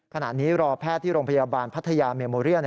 ขณะนี้รอแพทย์ที่โรงพยาบาลพัทยาเมโมเรีย